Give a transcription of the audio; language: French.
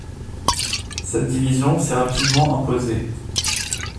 Cette division s'est rapidement imposée.